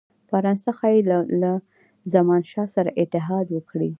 فرانسه ښايي له زمانشاه سره اتحاد وکړي.